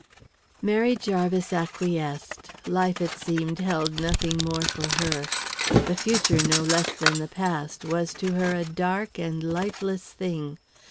Mary Jarvis acquiesced. Life, it seemed, held nothing more for her. The future, no less than the past, was to her a dark and lifeless thing.